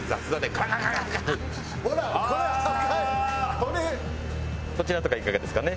こちらとかいかがですかね？